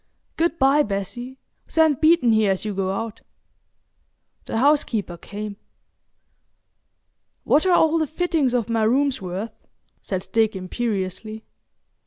Good bye, Bessie,—send Beeton here as you go out." The housekeeper came. "What are all the fittings of my rooms worth?" said Dick, imperiously.